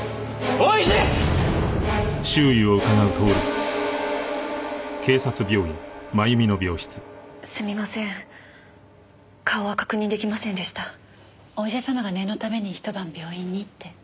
お医者様が念のためにひと晩病院にって。